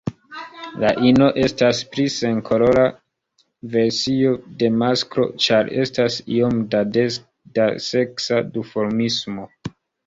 La ino estas pli senkolora versio de masklo, ĉar estas iom da seksa duformismo.